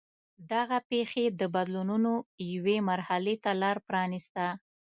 دغه پېښې د بدلونونو یوې مرحلې ته لار پرانېسته.